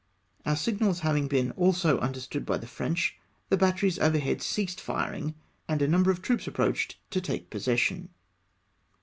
Our signals having been also understood by the French, the batteries overhead ceased firing, and a number of troops approached to take possession.